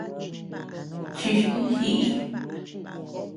Chich un jiʼi.